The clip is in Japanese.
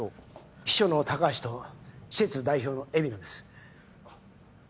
秘書の高橋と施設代表の海老名です。